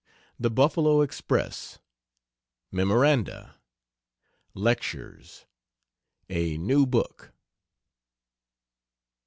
THE BUFFALO EXPRESS. "MEMORANDA." LECTURES. A NEW BOOK.